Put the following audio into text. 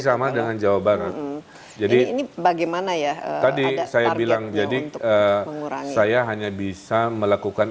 sama dengan jawa barat jadi ini bagaimana ya tadi saya bilang jadi saya hanya bisa melakukan